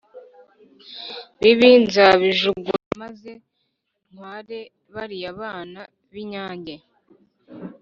bibi nzabijugunya maze ntware bariya bana b’inyange”.